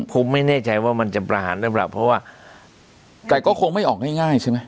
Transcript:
ผมไม่แน่ใจว่ามันจะประหารได้หรอกเพราะว่าแต่ก็คงไม่ออกง่ายง่ายใช่มั้ย